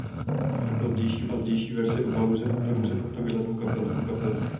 Na pozdější verzi obalu byla pouze fotografie členů kapely.